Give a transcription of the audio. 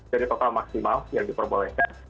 jadi total maksimal yang diperbolehkan